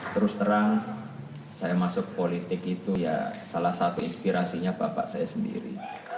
terus terang saya masuk politik itu ya salah satu inspirasinya bapak saya sendiri